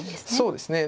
そうですね。